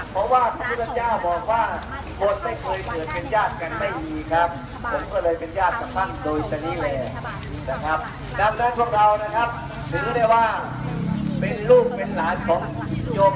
เพราะว่าพระธุระเจ้าบอกว่าโบสถ์ไม่เคยเผื่อเป็นญาติกันด้ายกี้ครับ